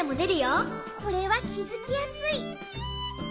これはきづきやすい！